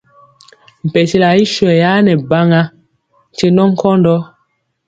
Mpekyela i swɛyaa nɛ baŋa nkye nɔ nkɔndɔ.